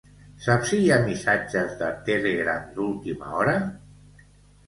Saps si hi ha missatges de Telegram d'última hora?